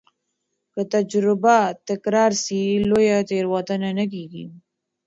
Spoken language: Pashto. که تجربه تکرار سي، لویه تېروتنه نه کېږي.